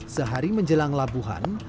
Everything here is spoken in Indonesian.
sehari menjelang labuhan